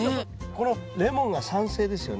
このレモンが酸性ですよね？